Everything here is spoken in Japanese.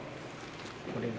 これが。